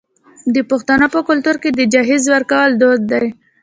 د پښتنو په کلتور کې د جهیز ورکول دود دی.